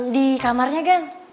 di kamarnya gan